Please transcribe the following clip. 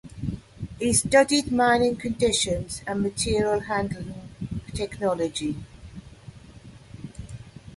He studied mining conditions and material handling technology.